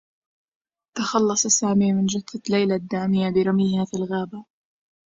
تخلّص سامي من جثّة ليلى الدّامية برميها في الغابة.